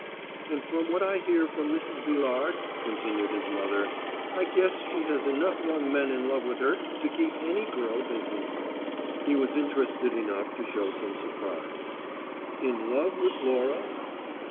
"And from what I hear from Mrs. Villard," continued his mother, "I guess she has enough young men in love with her to keep any girl busy." He was interested enough to show some surprise. "In love with Laura?"